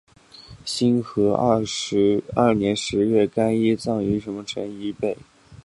兴和二年十月廿一日葬于邺城西面漳水以北。